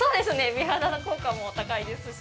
美肌の効果も高いですし